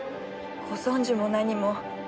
ご存じも何も。